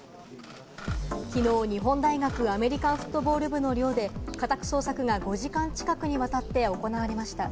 きのう日本大学アメリカンフットボール部の寮で家宅捜索が５時間近くにわたって行われました。